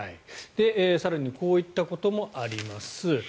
更にこういったこともあります。